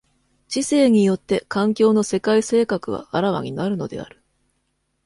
知性によって環境の世界性格は顕わになるのである。